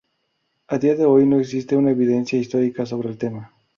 A día de hoy no existe una evidencia histórica sobre el tema.